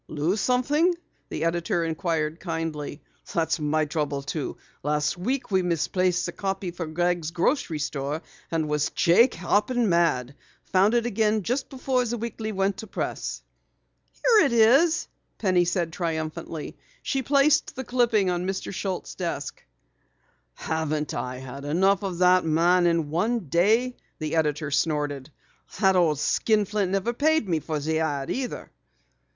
"Lose something?" the editor inquired kindly. "That's my trouble too. Last week we misplaced the copy for Gregg's Grocery Store and was Jake hoppin' mad! Found it again just before the Weekly went to press." "Here it is!" said Penny triumphantly. She placed the clipping on Mr. Schultz' desk. "Haven't I had enough of that man in one day!" the editor snorted. "The old skinflint never paid me for the ad either!"